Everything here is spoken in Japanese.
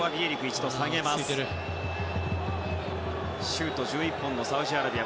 シュート１１本のサウジアラビア。